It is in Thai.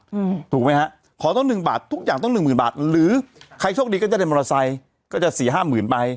ถูกไหมฮะขอต้องหนึ่งบาททุกอย่างต้องหนึ่งหมื่นบาทหรือใครโชคดีก็จะได้มอเตอร์ไซค์ก็จะสี่ห้าหมื่นไป